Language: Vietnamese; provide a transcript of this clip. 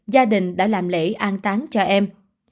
gia đình đã làm lễ an tán cho em